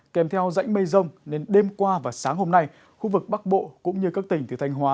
kèm theo rãnh mây rông nên đêm qua và sáng hôm nay khu vực bắc bộ cũng như các tỉnh từ thanh hóa